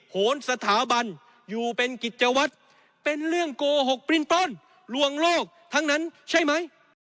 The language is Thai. โหนสถาบันอยู่เป็นกิจวัตรเป็นเรื่องโกหกปริ้นปล้นลวงโลกทั้งนั้นใช่ไหม